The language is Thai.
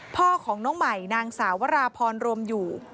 พ่อของน้องใหม่นางสาววราพรรวมอยู่